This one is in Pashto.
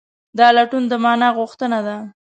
دا لټون د مانا غوښتنه ده.